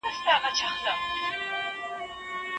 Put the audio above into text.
انارګل په خپل لمر وهلي مخ د بریا نښه لرله.